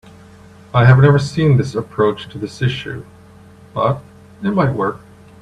I have never seen this approach to this issue, but it might work.